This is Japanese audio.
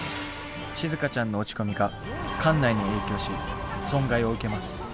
しずかちゃんの落ち込みが艦内に影響し損害を受けます。